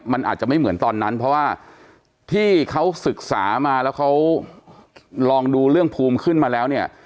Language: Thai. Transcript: มันอาจจะไม่เหมือนตอนนั้นเพราะว่าที่เขาศึกษามาแล้วเขาลองดูเรื่องภูมิขึ้นมาแล้วเนี่ย